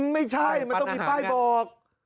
ไม่ใช่มันต้องมีป้ายบอก